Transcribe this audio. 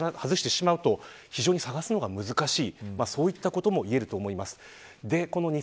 だから一回、視野から外してしまうと非常に探すのが難しい。